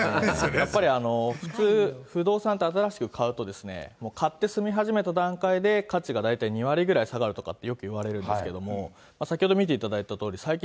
やっぱり普通、不動産って、新しく買うと、買って住み始めた段階で、価値が大体、２割ぐらい下がるとかって、よくいわれるんですけれども、先ほど見ていただいたとおり、最近